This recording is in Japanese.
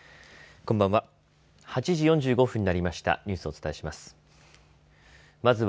こんばんは。